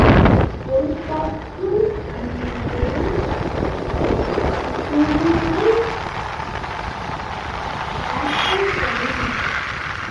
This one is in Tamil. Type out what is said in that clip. பொறுத்தாற்றும் பண்பு பொறுமை ஆக்கம் தரும்!